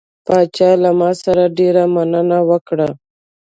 پاچا له ما سره ډیره مینه وکړه.